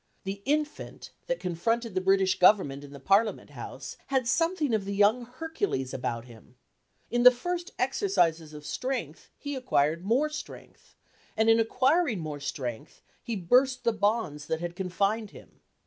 The infant, that confronted the British Government in the Parliament House, had something of the young Hercules about him. In the first exercises of strength he acquired more strength, and in acquiring more strength he burst the bonds that had confined him.